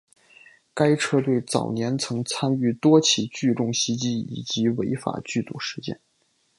该车队早年曾参与多起聚众袭击以及违法聚赌事件。